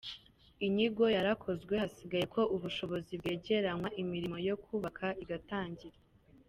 Inyigo yarakozwe hasigaye ko ubushobozi bwegeranywa imirimo yo kubaka igatangira.